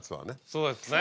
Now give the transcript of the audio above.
そうですね。